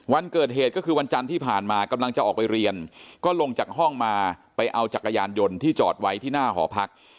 วันเกิดเหตุก็คือวันจันทร์ที่ผ่านมากำลังจะออกไปเรียนก็ลงจากห้องมาไปเอาจักรยานยนต์ที่จอดไว้ที่หน้าหอพัก